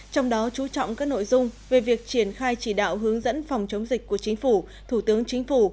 trong đó chú trọng các nội dung về việc triển khai chỉ đạo hướng dẫn phòng chống dịch của chính phủ thủ tướng chính phủ